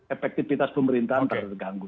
efektivitas pemerintahan terganggu